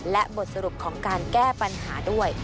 และบทสรุปของการแก้ปัญหาด้วย